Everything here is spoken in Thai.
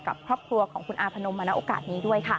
กับครอบครัวของคุณอาพนมมาณโอกาสนี้ด้วยค่ะ